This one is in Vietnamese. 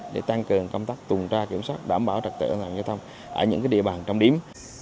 để tăng cường công tác tuần tra kiểm soát đảm bảo trật tự an toàn giao thông ở những địa bàn trọng điểm